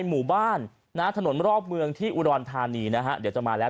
หมู่บ้านนะถนนรอบเมืองที่อุดรธานีนะฮะเดี๋ยวจะมาแล้ว